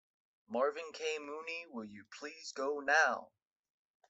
Marvin K. Mooney Will You Please Go Now!